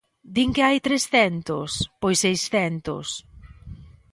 ¿Din que hai trescentos?, ¡pois seiscentos!